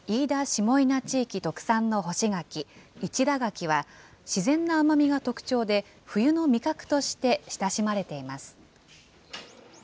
下伊那地域特産の干し柿、市田柿は、自然な甘みが特徴で、冬の味覚として親しまれています。